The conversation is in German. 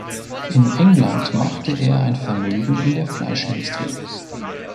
In England machte er ein Vermögen in der Fleischindustrie.